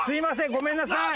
ごめんなさい。